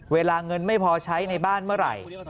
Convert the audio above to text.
เวลาเงินไม่พอใช้ในบ้านเมื่อไหร่